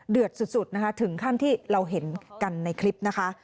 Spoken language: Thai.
สุดนะคะถึงขั้นที่เราเห็นกันในคลิปนะคะ